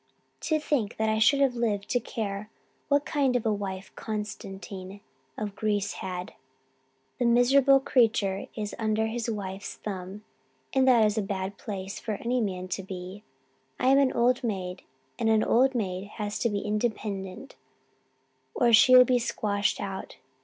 To think that I should have lived to care what kind of a wife Constantine of Greece had! The miserable creature is under his wife's thumb and that is a bad place for any man to be. I am an old maid and an old maid has to be independent or she will be squashed out.